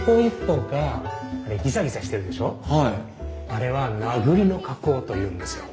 あれは名栗の加工というんですよ。